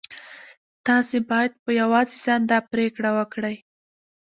تاسې بايد په يوازې ځان دا پرېکړه وکړئ.